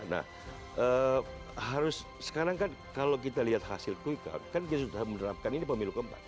nah harus sekarang kan kalau kita lihat hasil quick count kan kita sudah menerapkan ini pemilu keempat